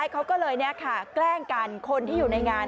อยากจะลองของ